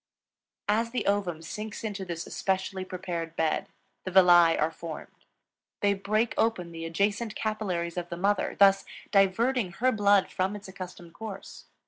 As the ovum sinks into this especially prepared bed, the villi are formed. They break open the adjacent capillaries of the mother, thus diverting her blood from its accustomed course.